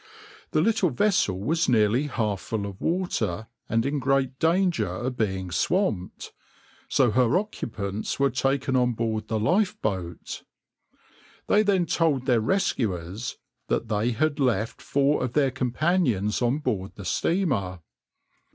The little vessel was nearly half full of water and in great danger of being swamped, so her occupants were taken on board the lifeboat. They then told their rescuers that they had left four of their companions on board the steamer.